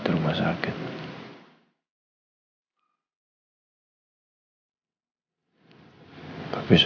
identitas keluarganya jessica